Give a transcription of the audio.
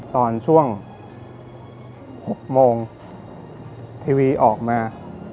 ตอนช่วง๖โมงทีวีออกมา